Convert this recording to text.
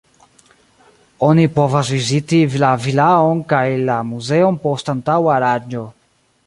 Oni povas viziti la vilaon kaj la muzeon post antaŭa aranĝo.